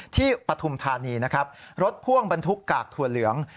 ที่ปฐุมธานีรถฝ่วงบรรทุกกากถั่วเหลือง